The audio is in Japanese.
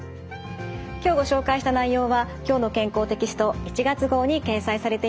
今日ご紹介した内容は「きょうの健康」テキスト１月号に掲載されています。